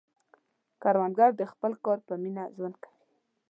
کروندګر د خپل کار په مینه ژوند کوي